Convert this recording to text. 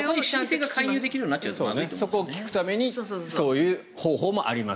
そこを聞くためにそういう方法もありますよと。